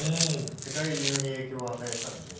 世界中に影響を与えたので。